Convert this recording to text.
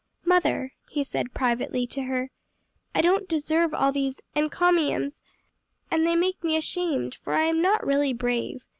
"Mother," he said privately to her, "I don't deserve all these encomiums and they make me ashamed; for I am not really brave.